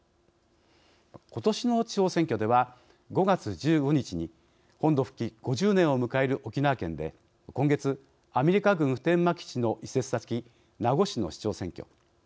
ことしの地方選挙では５月１５日に本土復帰５０年を迎える沖縄県で今月アメリカ軍普天間基地の移設先名護市の市長選挙。